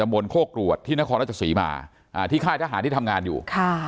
บนโคกรวดที่นครราชศรีมาที่ค่ายทหารที่ทำงานอยู่